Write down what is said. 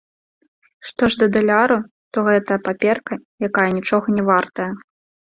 Што ж да даляру, то гэта паперка, якая нічога не вартая.